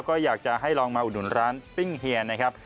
ก็อยากจะให้ลองมาอุดหนุนร้านปิ้งเฮียนะครับ